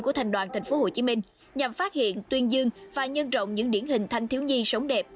của thành đoàn tp hcm nhằm phát hiện tuyên dương và nhân rộng những điển hình thanh thiếu nhi sống đẹp